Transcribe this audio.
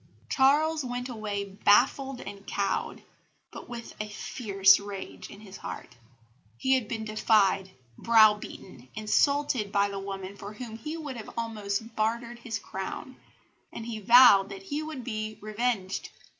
Charles went away baffled and cowed, but with a fierce rage in his heart. He had been defied, browbeaten, insulted by the woman for whom he would almost have bartered his crown; and he vowed that he would be revenged.